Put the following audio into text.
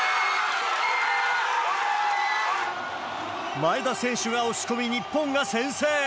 前田選手が押し込み、日本が先制。